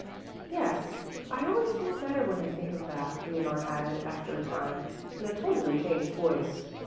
"Yes, I always feel better when I think of that," Leonore added after a time in a totally changed voice.